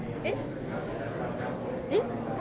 えっ？